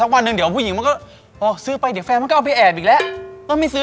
ความที่แม่จริงนะเนี่ยอันเนี้ย